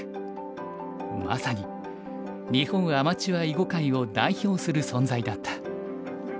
まさに日本アマチュア囲碁界を代表する存在だった。